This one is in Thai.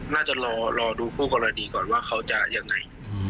น่าจะรอดูคู่กรณีก่อนว่าเขาจะยังไง